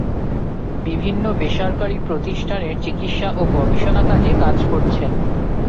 বিভিন্ন বেসরকারি প্রতিষ্ঠানের চিকিৎসা ও গবেষণা বিভাগে কাজ করছেন।